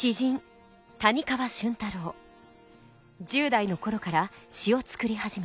１０代の頃から詩を作り始め